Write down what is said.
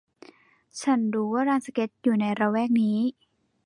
ฉันรู้ว่าลานสเก็ตอยู่ในละแวกนี้